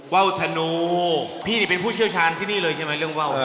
ว่าวธนูพี่นี่เป็นผู้เชี่ยวชาญที่นี่เลยใช่ไหมเรื่องว่าว